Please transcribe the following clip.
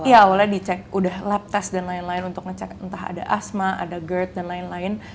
iya awalnya dicek udah lab test dan lain lain untuk ngecek entah ada asma ada gerd dan lain lain